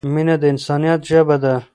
مینه د انسانیت ژبه ده.